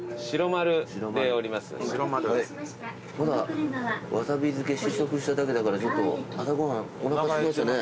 まだわさび漬試食しただけだからちょっと朝ご飯おなかすきましたね。